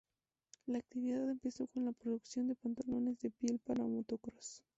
La actividad empezó con la producción de pantalones de piel para motocross.